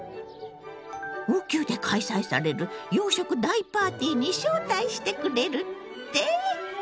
王宮で開催される洋食大パーティーに招待してくれるって？